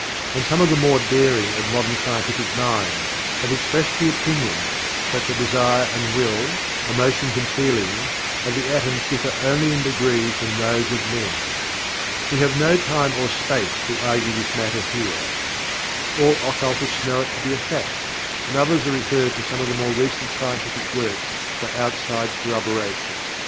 and some of the more daring of modern scientific minds have expressed the opinion that the desire and will, emotions and feelings, of the atoms differ only in degree from those of men. We have no time or space to argue this matter here. All occultists know it to be a fact, and others are referred to some of the more recent scientific works for outside corroboration.